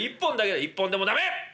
「１本でも駄目！」。